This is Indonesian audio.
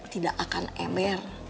tidak akan ember